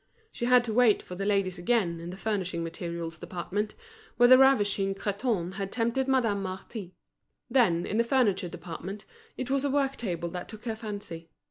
She had to wait for the ladies again in the furnishing materials department, where a ravishing cretonne had tempted Madame Marty. Then, in the furniture department, it was a work table that took her fancy.